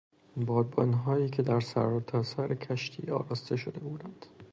بادبانهایی که در سرتاسر کشتی آراسته شده بودند.